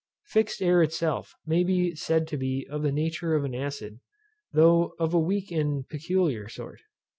Fixed air itself may be said to be of the nature of an acid, though of a weak and peculiar sort.